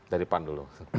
dari pan dulu